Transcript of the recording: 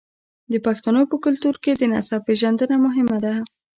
د پښتنو په کلتور کې د نسب پیژندنه مهمه ده.